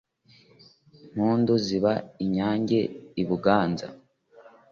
impundu ziba inyange i buganza